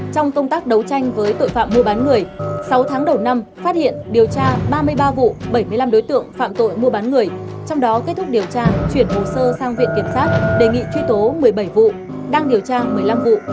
trong công tác đấu tranh với tội phạm mua bán người sáu tháng đầu năm phát hiện điều tra ba mươi ba vụ bảy mươi năm đối tượng phạm tội mua bán người trong đó kết thúc điều tra chuyển hồ sơ sang viện kiểm sát đề nghị truy tố một mươi bảy vụ đang điều tra một mươi năm vụ